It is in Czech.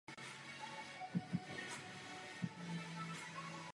Je též autorem dvou knih a většího množství článků.